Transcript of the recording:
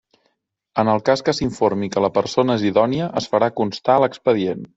En el cas que s'informi que la persona és idònia es farà constar a l'expedient.